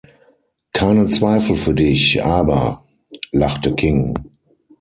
„Keinen Zweifel für dich, aber —“ lachte King.